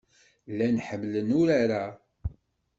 Llan ḥemmlen urar-a.